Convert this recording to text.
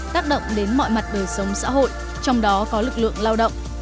tác động đến mọi mặt đời sống xã hội trong đó có lực lượng lao động